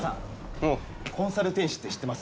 おうコンサル天使って知ってます？